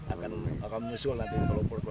akan menyusul nanti di kuala lumpur